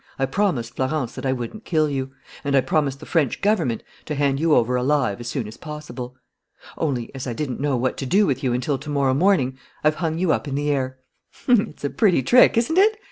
I promised Florence that I wouldn't kill you; and I promised the French Government to hand you over alive as soon as possible. Only, as I didn't know what to do with you until to morrow morning, I've hung you up in the air. "It's a pretty trick, isn't it?